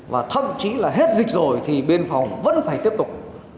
và thậm chí là hết dịch rồi thì biên phòng vẫn phải tiếp tục